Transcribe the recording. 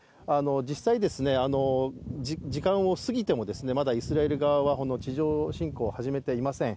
実際、時間を過ぎてもまだイスラエル側は地上侵攻を始めていません。